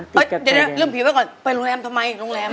เดี๋ยวลืมผิวไว้ก่อนไปโรงแรมทำไมโรงแรมอะ